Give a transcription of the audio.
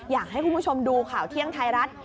อยากให้คุณผู้ชมดูข่าวเที่ยงไทยรัฐ